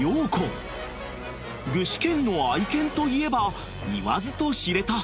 ［具志堅の愛犬といえば言わずと知れた］